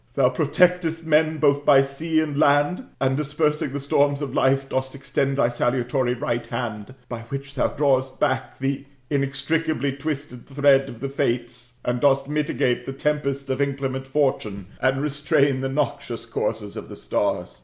Thou protectest men both by sea and land, and dispersing the storms of life, dost extend thy salutary right hand, by which thou drawest back the inextricably twisted thread of the Fates, and dost mitigate the tempests of inclement Fortune, and restrain the noxious courses of the stars.